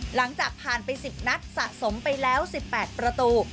หลังจากผ่านไป๑๐นัดสะสมไปแล้ว๑๘ประตู